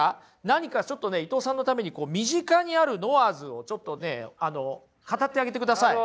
何かちょっとね伊藤さんのために身近にあるノワーズをちょっとね語ってあげてください。